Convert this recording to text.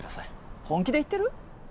本気で言ってる？